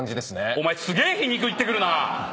お前すげえ皮肉言ってくるな！